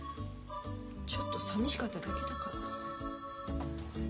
ちょっとさみしかっただけだから。